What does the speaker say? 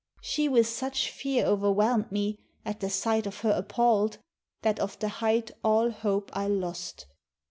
She with such fear O'erwhelmed me, at the sight of her appall'd, That of the height all hope I lost.